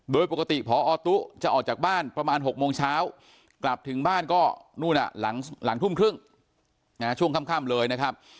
โดยปกติพอตุ๊จะออกจากบ้านประมาณ๖โมงเช้ากลับถึงบ้านก็นู่นหลังทุ่มครึ่งช่วงค่ำเลยนะครับ